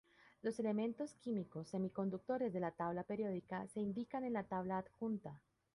Los elementos químicos semiconductores de la tabla periódica se indican en la tabla adjunta.